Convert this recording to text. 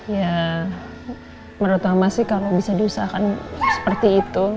ya menurut lama sih kalau bisa diusahakan seperti itu